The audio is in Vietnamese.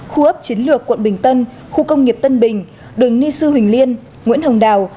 khu ấp chiến lược quận bình tân khu công nghiệp tân bình đường ni sư huỳnh liên nguyễn hồng đào